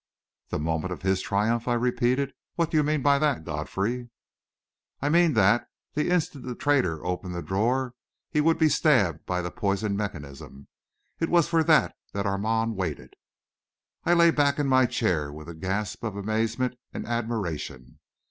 "The moment of his triumph?" I repeated. "What do you mean by that, Godfrey?" "I mean that, the instant the traitor opened the drawer, he would be stabbed by the poisoned mechanism! It was for that that Armand waited!" I lay back in my chair with a gasp of amazement and admiration.